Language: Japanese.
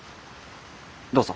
どうぞ。